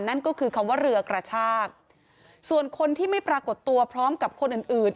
นั่นก็คือคำว่าเรือกระชากส่วนคนที่ไม่ปรากฏตัวพร้อมกับคนอื่นอื่น